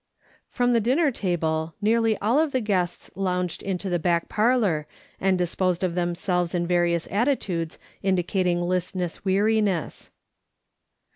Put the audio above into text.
From the dinner table nearly all of the guests lounged into the back parlour, and disposed of them selves in various attitudes indicating listless weari nees.